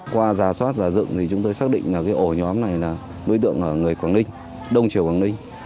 qua giả soát già dựng thì chúng tôi xác định là cái ổ nhóm này là đối tượng ở người quảng ninh đông triều quảng ninh